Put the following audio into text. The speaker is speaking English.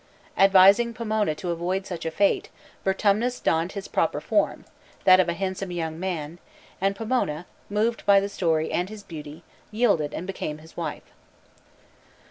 Advising Pomona to avoid such a fate, Vertumnus donned his proper form, that of a handsome young man, and Pomona, moved by the story and his beauty, yielded and became his wife.